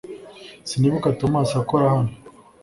Sinibuka Tomasi akora hano